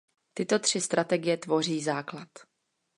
Tyto tři strategie tvoří základ.